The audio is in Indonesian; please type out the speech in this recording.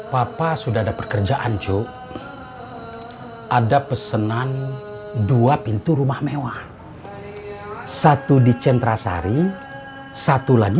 papa sudah ada pekerjaan yuk ada pesanan dua pintu rumah mewah satu di centrasari satu lagi